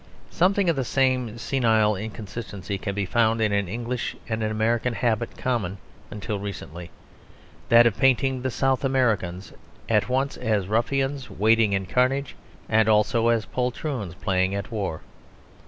Something of the same senile inconsistency can be found in an English and American habit common until recently: that of painting the South Americans at once as ruffians wading in carnage, and also as poltroons playing at war.